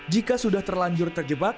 jika sudah terlanjur terjebak